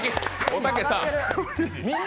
おたけさん